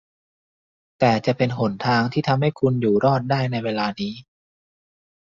แต่จะเป็นหนทางที่ทำให้คุณอยู่รอดได้ในเวลานี้